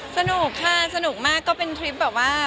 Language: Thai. สนุกค่ะสนุกมากก็เป็นทริปแบบว่า